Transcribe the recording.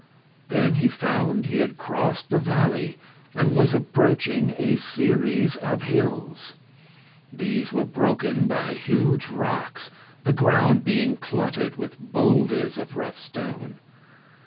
Then he found he had crossed the valley and was approaching a series of hills. These were broken by huge rocks, the ground being cluttered with boulders of rough stone.